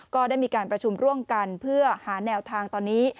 ก็ได้มีการประชุมร่วมกันเพื่อหาแนวทางตอนนี้